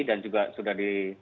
dan juga sudah di